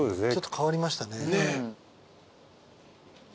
ちょっと変わりましたね。